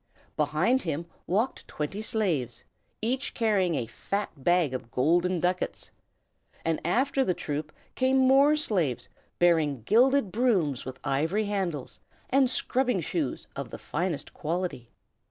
Behind him walked twenty slaves, each carrying a fat bag of golden ducats; and after the troop came more slaves, bearing gilded brooms with ivory handles and scrubbing shoes of the finest quality.